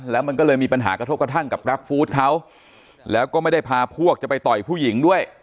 แล้วมันก็เลยมีปัญหากระทบกระทั่งกับกราฟฟู้ดเขาแล้วก็ไม่ได้พาพวกจะไปต่อยผู้หญิงด้วย